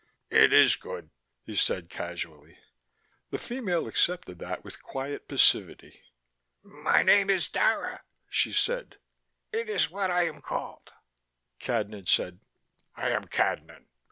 "It is good," he said casually. The female accepted that with quiet passivity. "My name is Dara," she said. "It is what I am called." Cadnan said: "I am Cadnan."